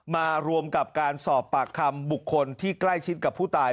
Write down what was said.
มารวมกับการสอบปากคำบุคคลที่ใกล้ชิดกับผู้ตาย